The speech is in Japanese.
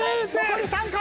残り３回！